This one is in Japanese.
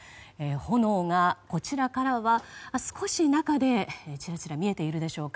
炎がこちらからは少し中でちらちら見えているでしょうか。